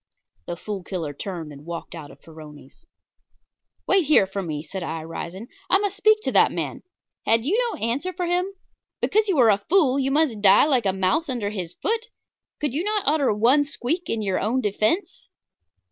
The Fool Killer turned and walked out of Farroni's. "Wait here for me," said I, rising; "I must speak to that man. Had you no answer for him? Because you are a fool must you die like a mouse under his foot? Could you not utter one squeak in your own defence?